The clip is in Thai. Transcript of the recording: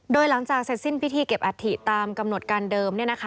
โดยหลังจากเสร็จสิ้นพิธีเก็บอัฐิตามกำหนดการเดิม